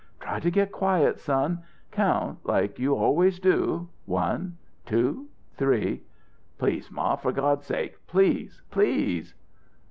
"Try to get quiet, son. Count like you always do. One two three " "Please ma for God's sake please please!"